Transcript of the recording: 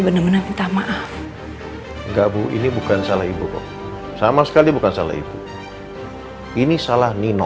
bener bener minta maaf enggak bu ini bukan salah ibu sama sekali bukan salah ibu ini salah nino